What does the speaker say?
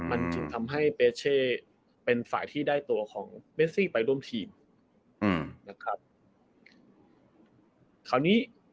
มันจึงทำให้เปเช่เป็นฝ่ายที่ได้ตัวของเมซี่ไปร่วมทีมอืมนะครับคราวนี้